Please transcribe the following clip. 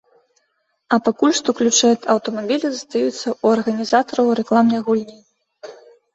А пакуль што ключы ад аўтамабіля застаюцца ў арганізатараў рэкламнай гульні.